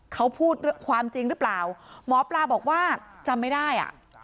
เขาพูดความจริงหรือเปล่าหมอปลาบอกว่าจำไม่ได้อ่ะ